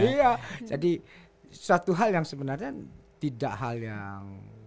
iya jadi suatu hal yang sebenarnya tidak hal yang